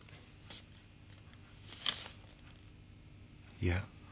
いや。